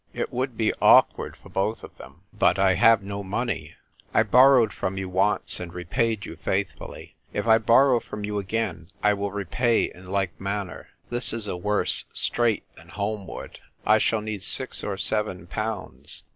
It would be awkward for both of them. But I have no money. I borrowed from you once and re paid you faithfully ; if I borrow from you again I will repay in like manner. This is a worse strait than Holmwood. I shall need six or seven pounds.